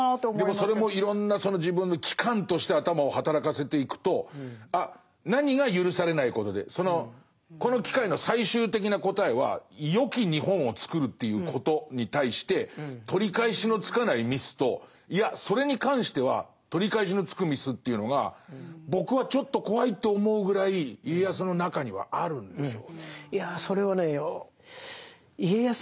でもそれもいろんなその自分の機関として頭を働かせていくとあ何が許されないことでこの機械の最終的な答えはよき日本を作るということに対して取り返しのつかないミスといやそれに関しては取り返しのつくミスというのが僕はちょっと怖いと思うぐらい家康の中にはあるんでしょうね。